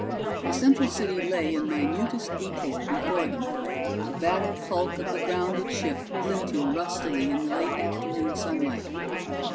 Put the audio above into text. The central city lay in minutest detail before them, the battered hulk of the grounded ship glinting rustily in the late afternoon sunlight.